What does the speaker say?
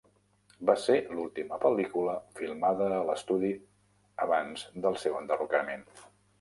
Va ser l'última pel·lícula filmada a l'estudi abans del seu enderrocament.